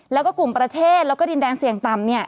แล้วก็กลุ่มประเทศแล้วก็ดินแดนเสี่ยงต่ำ